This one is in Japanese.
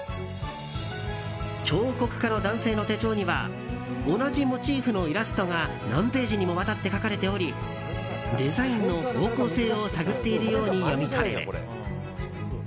彫刻家の男性の手帳には同じモチーフのイラストが何ページにもわたって描かれておりデザインの方向性を探っているように読み取れる。